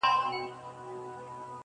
موږ ته یې کیسه په زمزمو کي رسېدلې ده.!